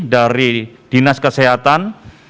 dari dinas kesehatan